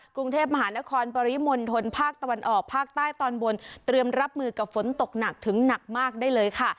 กรุงเทพมหานครปริมณฑลภาคตะวันออกภาคใต้ตอนบนเตรียมรับมือกับฝนตกหนักถึงหนักมากได้เลยค่ะ